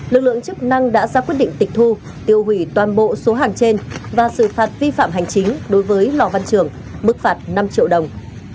lực lượng chức năng đã ra quyết định tịch thu tiêu hủy toàn bộ số hàng trên và xử phạt vi phạm hành chính đối với lò văn trường mức phạt năm triệu đồng